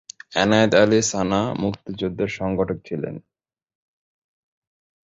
এনায়েত আলী সানা মুক্তিযুদ্ধের সংগঠক ছিলেন।